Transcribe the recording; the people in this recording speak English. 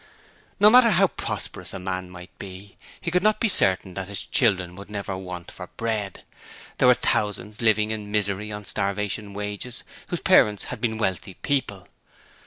No matter how prosperous a man might be, he could not be certain that his children would never want for bread. There were thousands living in misery on starvation wages whose parents had been wealthy people.